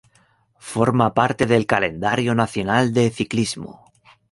Forma parte del calendario nacional de ciclismo.